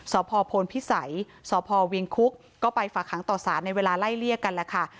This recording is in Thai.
สพพลพิสัยสพเวียงคุกก็ไปฝากหางต่อสารในเวลาไล่เลี่ยกันแหละค่ะ